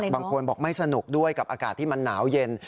บางคนบอกไม่สนุกด้วยกับอากาศที่มันหนาวเย็น